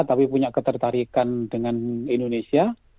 tapi punya ketertarikan dengan indonesia